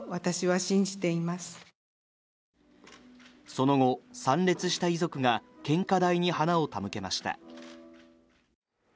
その後、参列した遺族が献花台に花を手向けました。